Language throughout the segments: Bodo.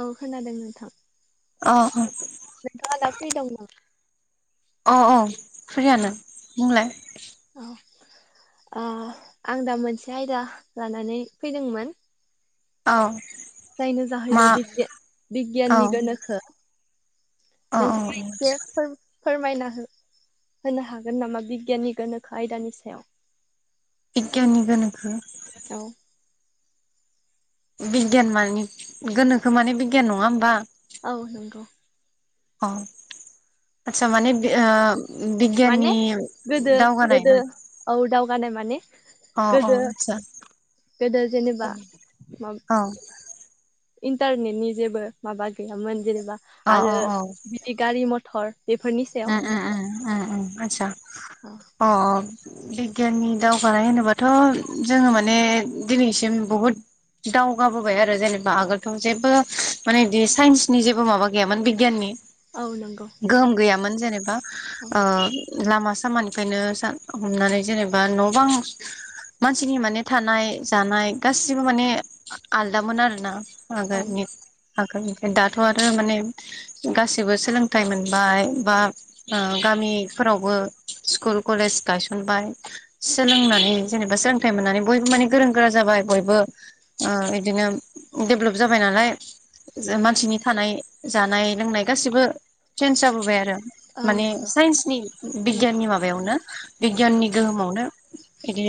औ खोनादों नों थां। अह। नोंथाङा दा फ्रि दं नामा? अह अह। फ्रियानो बुंलाय। ओह आं दा मोनसे आयदा लानानै फैदोंमोन। औ। जायनो मा जाहैबाय औ बिगि-बिगियाननि गोनोखो। औ औ नोंथाङा एसे फोर फोरमायना हो होनो हागोन नामा बिगियाननि गोनोखो आयदानि सायाव? बिगियाननि गोनोखो औ बिगियान माने गोनोखो माने बिगियान नङा होमबा? औ नोंगौ। अह आतसा माने बे ओ माने बिगियाननि गोदो गोदो औ औ। [unintelligible] अह अह गोदो आतसा। गोदो जेनेबा मा औ इन्टारनेटनि जेबो माबा गैयामोन जेने बा अ अ आरो अ बिदि गारि म थर उम उम उम उम उम आतसा औ अ अ। बिगियाननि दावगानाय होनोबाथ' जोङो माने दिनैसिम बहुद दावगाबोबाय आरो जेनेबा आगोलथ' जेबो माने बिदि साइन्सनि जेबो माबा गैयामोन बिगियाननि औ नंगौ। मोन जेनेबा औ आ लामा सामानिफ्रायनो हमनानै जेनेबा न' बां मानसिनि माने थानाय जानाय गासिबो माने आलदामोन आरोना। औ आगोलनि आगोलनि दाथ' आरो माने गासिबो सोलोंथाइ मोनबाय। बा ओ गामिफोरावबो स्कुल कलेज गायसनबाय सोलोंनानै जेनेबा सोलोंथाइ मोननानै बयबो माने गोरों गोरा जाबाय बयबो ओ बिदिनो डेभलप जाबाय नालाय मानसिनि थानाय जानाय लोंनाय गासिबो चेन्ज जाबोबाय आरो। औ माने नंगौ साइन्सनि बिगियाननि माबायावनो बिगियाननि गोहोमावनो बिदि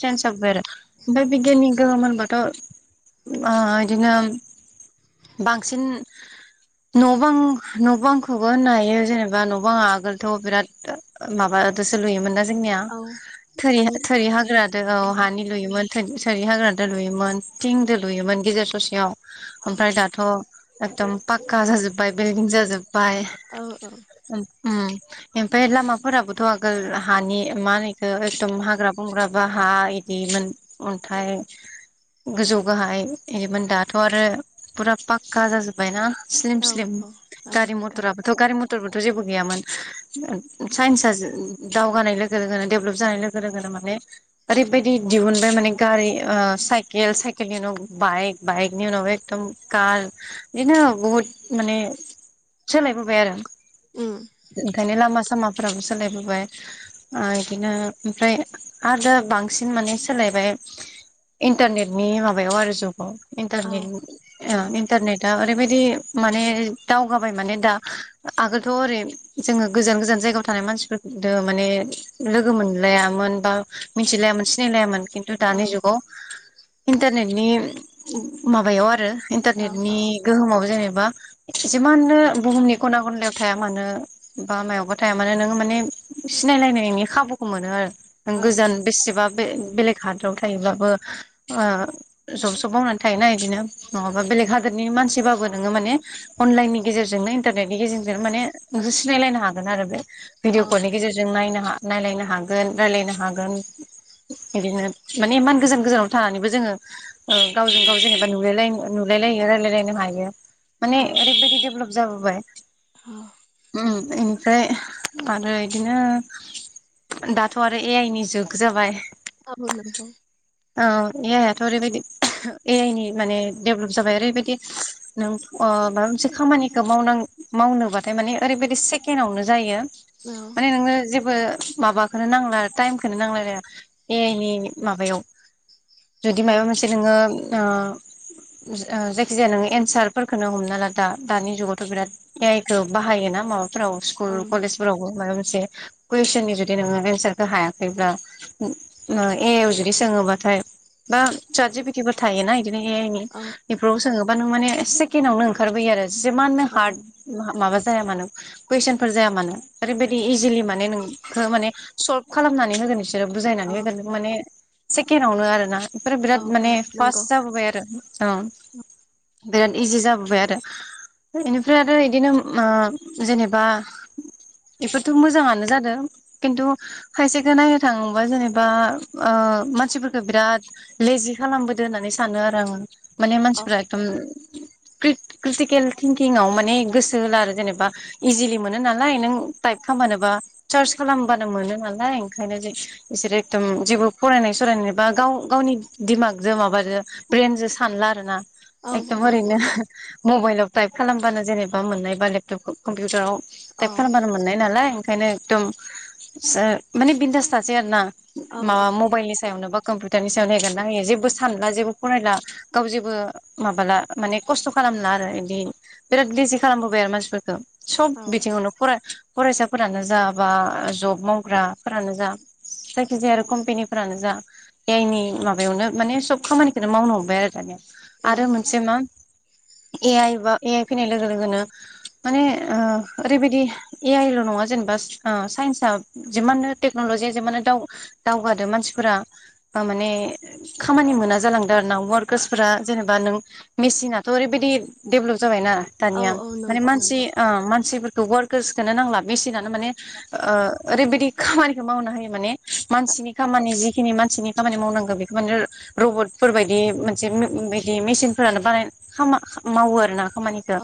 चेन्ज जाबाय आरो ओमफ्राय बिगियाननि गोहोम होनबाथ' ओ इदिनो बांसिन न' बां न' बांखौबो होननो हायो जेनेबा बा न बांआ आगोलथ' बिराद माबादोसो लुयोमोनना जोंनिया औ थोरि मानि थोरि हाग्रादो औ हानि लुयोमोन। थो थोरि हाग्रादो लुयोमोन थिंदो लुयोमोन गेजेर ससेयाव औ ओमफ्राय दाथ' एकदम पाक्का जाजोब्बाय बिल्डिं जाजोब औ औ। ओम ओमफ्राय लामाफोराबोथ' आगोल हानि मा होनो इखो एकदम हाग्रा बंग्रा बा हा इदिमोन अन्थाइ गोजौ गाहाय इदिमोन दाथ' आरो फुरा पाक्का जाजोब्बायना। स्लिम औ स्लिम औ औ गारि नंगौ मथ'राबोथ' गारि मथर थ' जेबो गैयामोन साइन्सआ दावगानाय लोगो लोगोनो डेभेलप जानाय लोगो लोगोनो माने ओरैबायाददि दिहुनबाय माने गारि ओ साइकेल साइकेलनि उनाव बाइक बाइकनि उनावबो एकदम कार बिदिनो बुहुद माने सोलायबोबाय आरो। उम ओंखायनो लामा सामा फोराबो सोलायबोबाय ओ इदिनो ओमफ्राय आरो दा बांसिन माने सोलायबाय इन्टारनेटनि माबायाव आरो जुगाव। औ इन्टारनेट ओ औ इन्टारनेट दा ओरैबायदि माने दावगाबाय माने दा आगोल थ' ओरै जोङो गोजान गोजान जायगायाव थानाय मानसिफोर माने लोगो मोनलायामोन बा मिथिलायामोन सिनायलायामोन। खिनथु औ दानि जुगाव इन्टारनेट बिनि माबायाव आरो। औ इन्टारनेटनि गोहोमाव जेनेबा बा जिमाननो बुहुमनि खना खनलायाव थाया मानो बा मायावबा थाया मानो नोङो माने सिनायलायनायनि खाबुखौ मोनो आरो। गोजान बेसेबा बे-बेलेग हादोराव थायो जब सब मावनानै थायोना बिदिनो नङाबा बेलेग हादोरनि मानसिबाबो नोङो माने अनलाइननि गेजेरजोंनो इटारनेटनि गेजेर माने नोंसोर सिनायलायनो हागोन आरो बे भिडिअ औ कलनि गेजेरजों नायनो हा नायलायनो हागोन रायलायनो हागोन बिदिनो माने इमान गोजान गोजानाव थानानैबो जोङो गावजों गाव जेनेबा नुलाय नुलायलायो रायलायलायनो हायो। माने ओरैबायदि देबलब जाबोबाय। औ। उम इनिफ्राय आरो इदिनो दाथ' आरो ए आइ नि जुग जाबाय खाबु मोनदों। औ ए आइआथ' ओरैबायदि ए आइ नि माने डेभलप जाबाय ओरैबायदि नों अ माबा मोनसे खामानिखौ मावन मावनो होनबाथाय माने ओरैबायाददि सेकेणडआवनो जायो। औ माने नोङो बो माबाखौनो नांला टाइम खौनो नांलायलाया ए आइनि माबायाव जुदि माबा औ मोनसे नोङो ओ जायखिजाया नोंङो एन्सारफोरखौ हमना ला दा दानि जुगावथ' बिराद ए आइ खौ बाहायोना माबाफोराव स्कुल औ कलेजफोरावबो माबा मोन मोनसे कुइसन नि जुदि नोङो एनसारखौ हायाखैब्ला ए आइआव जुदि सोङोबाथाय बा साजिफिटिबो थायोना बिदिनो ए आइ नि बेफोरावबो सोङो बा नों माने सेकेण्डआवनो ओंखारबोयो आरो। जिमानो औ हार्ट औ माबा जाया मानो कुइसन फोर जाया मानो। ओरैबायदि इजिलि माने नोंखौ माने स खालामनानै होगोन। बिसोर बुजायनानै होगोन माने सेकेणडआवनो आरो ना बेफोरो औ बिराद माने औ फास्ट नंगौ जाबोबाय आरो। औ बिराद इजि जाबोबाय आरो बेनिफ्राय आरो बिदिनो ओ जेनेबा इफोरथ' मोजाङानो जादों खिन्थु खायसेखो नायनो थाङोबा जेनेबा ओ मानसिफोरखौ बिराद लेजि खालामबोदों होननानै सानो आरो आङो माने औ मानसिफोरा एकदम क्रि क्रिटिकेल थिंकिंआव माने गोसो सो होला आरो जेनेबा इजिलि मोनो नालाय नों टाइप खालामबानोबा सार्च खालामबानो मोनो नालाय ओंखायनो जों बिसोरो एखदम जेबो फरायनाय सरायनानैबा गाव गावनि दिमागजों माबाजों ब्रेनजों सानला आरो ना। औ एखदम औ ओरैनो नंगौ मबाइलाव थाइप खालामबानो जेनेबा माबा मोननाय बा लेपटपखौ कम्पिउटाराव औ थाइप खालामबानो मोननाय नालाय ओंखायनो एकदम एसे माने बिन्दास थासै आरो ना। माबा मबाइलनि सायावनो बा कमपिउटारनि सायावनो हेगारना होयो जेबो सानला जेबो फरायला गाव जेबो माबाला माने खस्थ' खालामला आरो इदि बिराद लिजि खालामबोबाय आरो मानसिफोरखौ। स'ब बिथिङावनो फराय फरायसाफोरानो जा बा जब मावग्राफोरानो जा जायखिजाया आरो कम्पेनिफोरानो जा ए आइनि माबायावनो माने सब खामानिखौनो मावनो हमबाय आरो दानिया औ आरो मोनसे मा ए आइ बा ए आइ फैनाय लोगो लोगोनो माने ओ ओरैबायदि ए आइल' नङा जेनेबा साइन्सआ जिमाननो टेक्न'लजिया जिमानो दावगादो मानसिफोरा माने खामानि मोना जालांदों आरो ना वारकार्सफोरा जेनेबा नों मेसिनफोराथ' ओरैबायदि देभलप जाबायना औ दानिया औ नंगौ माने नंगौ मानसि ओ मान मानसिफोरखौ वारकार्सखौनो नांला मेसिनानो माने ओ ओरैबायदि खामानिखौ मावनो हायो माने मानसिनि खामानि जिखिनि मानसिनि खामानि मावनांगौ बेखौ माने रबटफोर बायदि मोनसे मिम-बिदि मेसिनफोरानो बानाय खामा-मावो आरो ना औ खामानिखौ।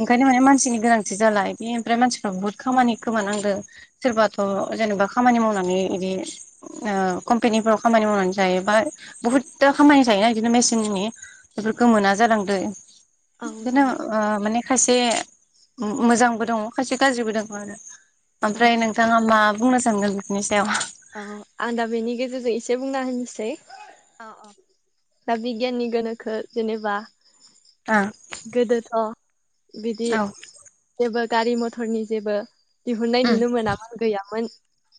ओंखायनो माने मान सिनि गोनांथि जाला बे ओमफ्राय मानसिफ्रा बुहुत खामानि खोमानांदों सोरबाथ' जेनेबा खामानि मावनानै बिदि ओ कम्पानिफोराव खामानि मावनानै जायोबा बुहुदता खामानि जायोना बिदिनो मेसिननि बेफोरखौ मोना जालांदों। औ नंगौ। माने खायसे मो-मोजांबो दङ खायसे गाज्रिबो दङ आरो। औ ओमफ्राय नोंथाङा मा बुंनो सानदों बिफोरनि सायाव। औ आं दा बेनि गेजेरजों एसे बुंना होनोसै। औ औ। दा बिगियाननि गोनोखो जेनेबा गोदो थ' बिदि जेबो गारि मथरनि जेबो दिहुननाय नुनो मोनामोन गैयामोन।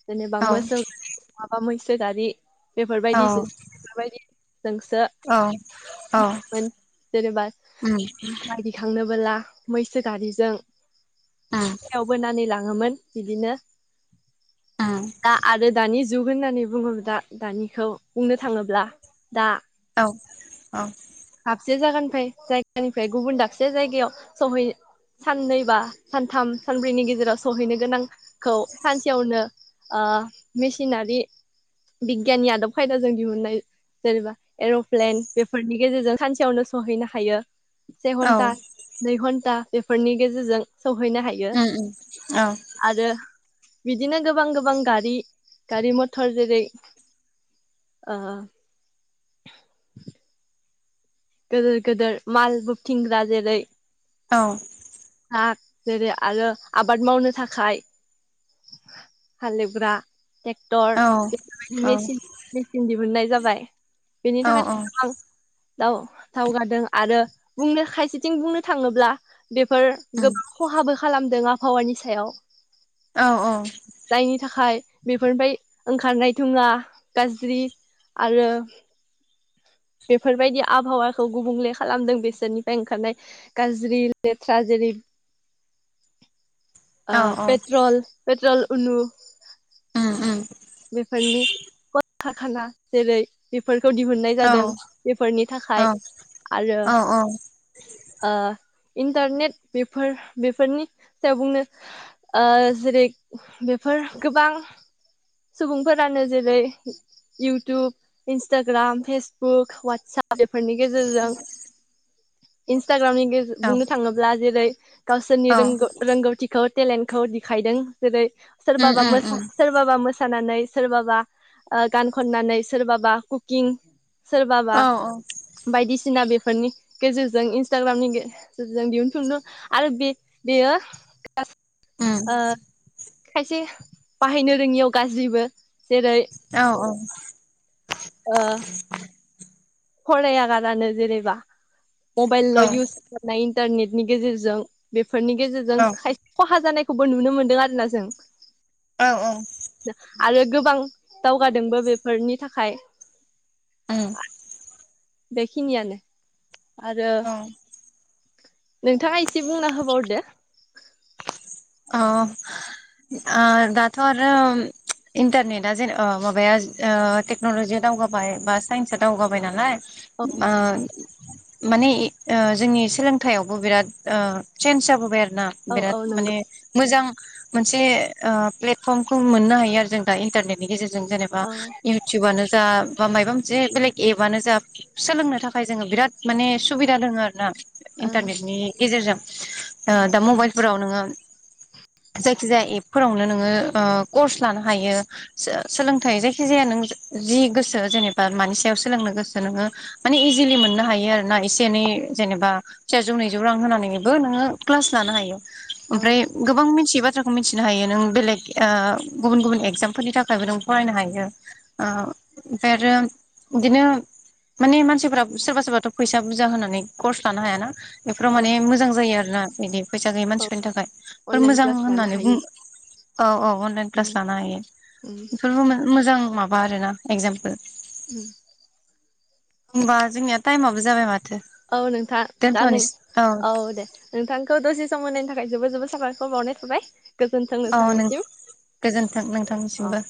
जेनेबा मोसौ माबा मोनसे सो गारि ओ बेफोरबायदिसो बेफोरबायदि औ औ जेनेबा उम। माइ दैखांनोबोला मैसो गारिजों औ बेयाव बोनानै लाङोमोनव बिदिनो दा आरो दानि जुग होननानै बुङोब्ला दानिखौ बुंनो थाङोब्ला दा औ औ। दाबसे जायगानिफ्राय जायगानिफ्राय गुबुन दाबसे जायगायाव सहैनो साननै बा सानथाम सानब्रैनि गेजेराव सहैनो गोनांखौ सानसेयावनो ओ मेसिनारि बिगियाननि आदब खायदाजों दिहुनाय जेनेबा एर'प्लेन बेफोरनि गेजेरजों सानसेयावनो सहैनो हायो। से औ घन्टा नै घन्टा बेफोरनि गेजेरजों सौहैनो हायो उम उम औ। आरो बिदिनो गोबां गोबां गारि गारि-मथर जेरै ओ गोदोर‌ गोदोर माल बोबथिंग्रा जेरै औ ट्राक जेरै आरो आबाद मावनो थाखाय हाल एवग्रा ट्रेक्टर औ बेफोरबायदि औ मेचिन मेचिन दिहुननाय जाबाय बेनि औ थाखाय औ गोबां दाउ दावगादों आरो बुंनो खायसेथिं बुंनो थाङोब्ला बेफोर उम गोबां खहाबो खालामदों। जों आबहावानि सायाव औ जायनि थाखाय बेफोरनिफ्राय ओंखारनाय धुङा गाज्रि आरो बेफोरबायदि आबहावाखौ गुबुंले खालामदों बेसोरनिफ्राय ओंखारनाय गाज्रि लेथ्रा जेरै औ ओ औ पेट्रल पेट्रल [unintelligible] [unintelligible] बेफोरनि कलखारखाना जेरै बेफोर खौ दिहुननाय औ जादों बेफोरनि औ थाखाय आरो औ औ ओ इन्टारनेट बेफोर बेफोरनि सायाव बुंनो ओ जेरै बेफोर गोबां सुबुंफोरानो जेरै इउटुब इन्स्टाग्राम फेसबुक वाटसाब बेफोरनि गेजेरजों इन्स न्टाग्रामनि गेजे उम बुंनो थाङोब्ला जेरै गावसोरनि रोंगौ रोंगौथिखौ टेलेन्टखौ देखायदों जेरै सोरबाबा उम उम औ उम औ मोसा सोरबाबा मो मोसानानै सोरबाबा ओ गान खननानै सोरबाबा कुकिं सोरबाबा बायदिसिना बेफोरनि गेजेरजों इन्सटाग्रामनि गेजेरजों दिहुनथुमनो आरो बे- बेयो ओ खायसे बाहायनो रोङियाव गाज्रिबो जेरै औ औ ओ फराया गारानो जेनेबा मबाइल इउस खालामनाय इन्टारनेटनि गेजेरजों बे फोरनि गेजेरजों खायसे खहा जानाय खौबो नुनो मोन्दों आरोना जों। औ औ। आरो गोबां दावगादोंबो बेफोरनि थाखाय। उम। बेखिनियानो। आरो। औ अ नोंथाङा एसे बुंना होबावदो। अ। ओ दाथ आरो इन्टारनेटआ जेन माबाया टेक्न लजिया दावगाबाय बा साइन्सआ दावगाबाय नालाय। औ ओ। माने ओ जोंनि सोलोंथाइयावबो बिराद ओ चेन्ज जाबोबाय आरो। न औ बिराद औ माने नंगौ मोजां मोनसे ओ प्लेटफर्मखौ मोननो हायो आरो जों दा इन्टारनेटनि गेजेरजों। जों जेनेबा औ युवतुवानो जा बा मायबा मोनसे बेलेग एपआनो जा सोलोंनो थाखाय जोङो बिराद माने सुबिदा दोङो आरो ना ओ इन्टारनेटनि गेजेरजों औ दा मबाइलफोराव नोङो। [unintelligible] जायखिजाया एपफोरावनो नोङो कर्स लानो हायो सोलोंथाइ जायखिजाया नों जि गोसो जेनेबा मानि सायाव सोलोंनो गोसो नोङो माने इजिलि मोननो हायो आरोना एसे एनै जेनेबा सेरेजौ नैजौ रां होनानैबो नोङो क्लास लानो हायो। औ। नों मिथियै बाथ्राखौ मिथिनो हायो नों बेलेग ओ गुबुन गुबुन एगजामफोरनि थाखायबो नों फरायनो हायो ओ ओमफ्राय आरो बिदिनो माने मानसिफोरा सोरबा सोरबाथ फैसा बुरजा होनानै कर्स लानो हायाना। बेफोराव औ माने मोजां जायो आरो ना। [inaudible] फैसा गैयै औ मानसिफोरनि थाखाय। बेफोर अनलाइन मोजां क्लास लानो होननानै बुंनो। हायो औ औ। अनलाइन उम क्लास लानो हायो उम बेफोरबो मोजां। माबा आरोना एक्जामपोल। उम। होमबा जोंनिया टाइमाबो जाबाय माथो। औ नोंथां दा नों औ दे नोंथांखौ दसे सम होनायनि थाखाय। जोबोर जोबोर साबायखर बावनाय थाबाय। गोजोन्थों अ नों नोंथांनिसिम। गोजोन्थों औ नोंथांसिमबो।